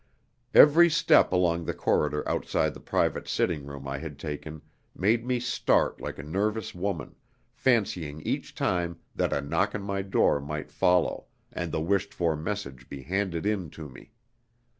Every step along the corridor outside the private sitting room I had taken made me start like a nervous woman, fancying each time that a knock on my door might follow and the wished for message be handed in to me.